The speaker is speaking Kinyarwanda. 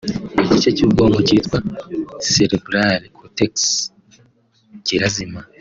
Igice cy’ubwonko cyitwa Cerebral Cortex kirazima